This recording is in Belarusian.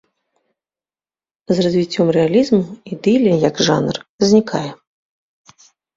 З развіццём рэалізму ідылія як жанр знікае.